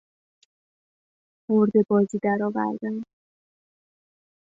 مرده بازی در آوردن